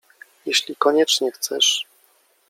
— Jeśli koniecznie chcesz.